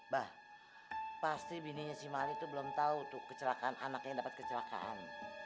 bah pasti bininya si mali tuh belum tau tuh kecelakaan anaknya yang dapet kecelakaan